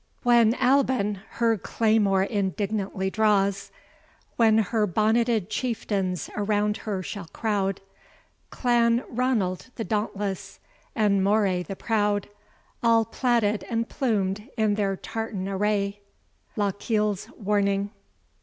When Albin her claymore indignantly draws, When her bonneted chieftains around her shall crowd, Clan Ranald the dauntless, and Moray the proud, All plaided and plumed in their tartan array LOCHEIL'S WARNING.